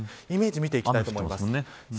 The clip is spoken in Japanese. イメージ見ていきたいと思います。